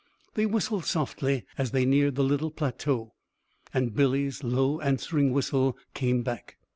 They whistled softly as they neared the little plateau, and Billy's low answering whistle came back.